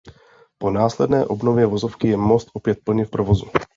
Po následné obnově vozovky je most opět plně v provozu.